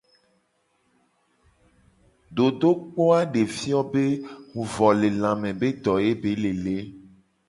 Dodokpo a de fio be huvolelame be do ye be le le.